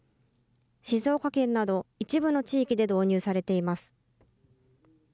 静岡県など、一部の地域で導入されています。